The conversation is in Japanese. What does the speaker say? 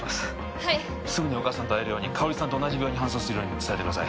はいすぐにお母さんと会えるように香織さんと同じ病院に搬送するように伝えてください